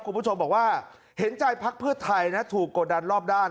คุณผู้ชมบอกว่าเห็นใจพักเพื่อไทยนะถูกกดดันรอบด้าน